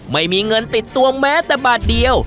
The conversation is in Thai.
ไม่มีเงินติดตัวแม้แต่บาทเดียว